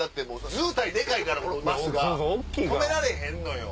ずうたいでかいからこのバスが止められへんのよ！